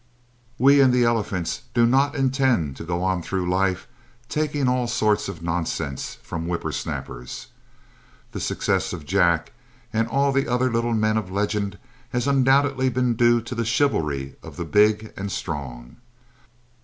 We and the elephants do not intend to go on through life taking all sorts of nonsense from whippersnappers. The success of Jack and all the other little men of legend has undoubtedly been due to the chivalry of the big and strong.